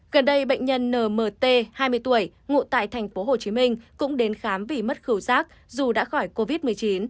gần đây bệnh nhân nmt hai mươi tuổi ngụ tại tp hcm cũng đến khám vì mất khử rác dù đã khỏi covid một mươi chín